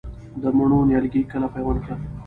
د مڼو نیالګي کله پیوند کړم؟